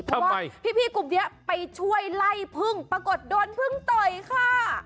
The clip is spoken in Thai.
เพราะว่าพี่กลุ่มนี้ไปช่วยไล่พึ่งปรากฏโดนพึ่งต่อยค่ะ